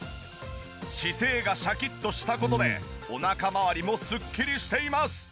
姿勢がシャキッとした事でお腹まわりもすっきりしています。